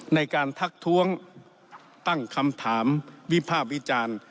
ในการทักท้วงตั้งคำถามวิภาพวิจารณ์